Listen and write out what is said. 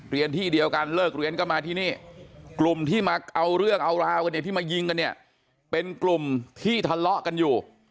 เรียนที่เดียวกันเลิกเรียนก็มาที่นี่กลุ่มที่มาเอาเรื่องเอาราวกันเนี่ยที่มายิงกันเนี่ยเป็นกลุ่มที่ทะเลาะกันอยู่